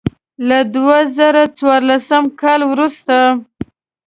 له دوه زره څوارلسم کال وروسته.